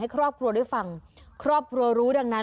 ครอบครัวได้ฟังครอบครัวรู้ดังนั้น